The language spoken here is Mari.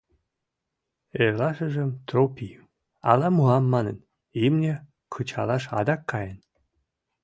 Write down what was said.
Эрлашыжым Тропим, «ала муам» манын, имне кычалаш адак каен...